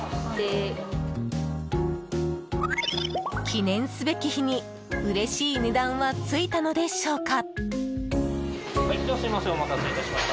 記念すべき日にうれしい値段はついたのでしょうか？